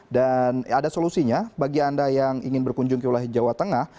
dan ada solusinya bagi anda yang ingin berkunjung ke wilayah jawa tengah